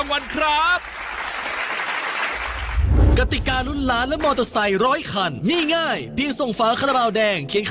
วันข่าวเวลาการณีการ๓๐นาที